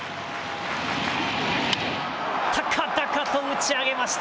高々と打ち上げました。